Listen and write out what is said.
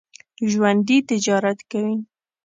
ژوندي تجارت کوي